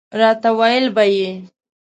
راته ویله به یې.